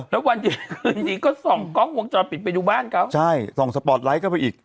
แล้ววันดีคืนดีก็ส่องกล้องวงจรปิดไปดูบ้านเขาใช่ส่องสปอร์ตไลท์เข้าไปอีก